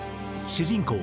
主人公